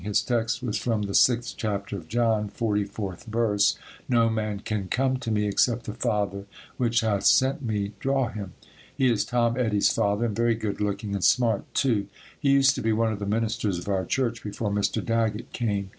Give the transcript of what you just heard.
His text was from the sixth chapter of John, 44th verse. "No man can come to me, except the Father which hath sent me, draw him." He is Tom Eddy's father, and very good looking and smart too. He used to be one of the ministers of our church before Mr. Daggett came.